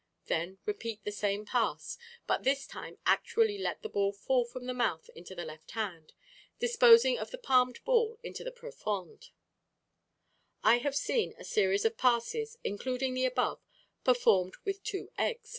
Then repeat the same pass, but this time actually let the ball fall from the mouth into the left hand, disposing of the palmed ball into the profonde. I have seen a series of passes, including the above, performed with two eggs.